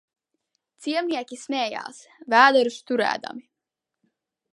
Ciemnieki sm?j?s, v?derus tur?dami.